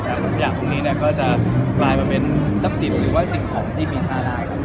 ขยะตรงนี้เนี่ยก็จะปลายมาเป็นซับสิทธิ์หรือว่าสิ่งของที่มีทาราค